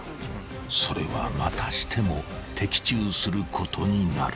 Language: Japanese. ［それはまたしても的中することになる］